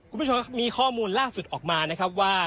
คุณผู้ชมครับมีข้อมูลล่าสุดออกมานะครับว่า